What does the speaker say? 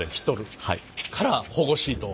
から保護シートを。